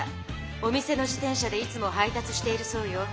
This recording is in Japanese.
お店の自転車でいつも配達しているそうよ。